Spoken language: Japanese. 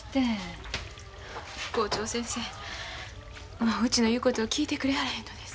もううちの言うことを聞いてくれはらへんのです。